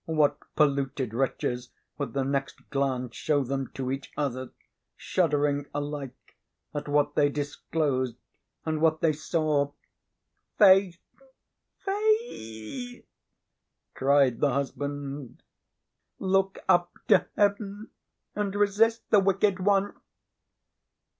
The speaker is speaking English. What polluted wretches would the next glance show them to each other, shuddering alike at what they disclosed and what they saw! "Faith! Faith!" cried the husband, "look up to heaven, and resist the wicked one."